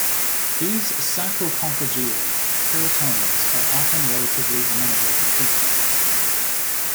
These sacrococcygeal teratomas are often relatively amenable to treatment.